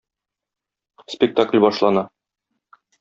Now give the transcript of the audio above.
Спектакль башлана.